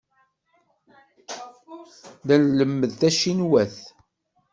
La nlemmed tacinwat.